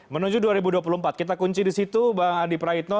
menuju dua ribu dua puluh empat kita kunci di situ bang adi praitno